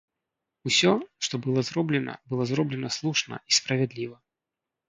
Усё, што было зроблена, было зроблена слушна і справядліва!